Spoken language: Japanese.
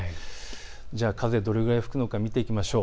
風、どれくらい吹くのか見ていきましょう。